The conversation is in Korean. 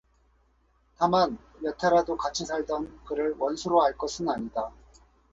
다만 몇 해라도 같이 살던 그를 원수로 알 것은 아니다.